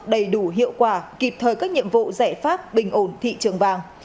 đầy đủ hiệu quả kịp thời các nhiệm vụ giải pháp bình ổn thị trường vàng